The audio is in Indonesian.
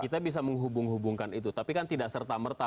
kita bisa menghubung hubungkan itu tapi kan tidak serta merta